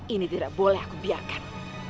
ini tidak boleh aku biarkan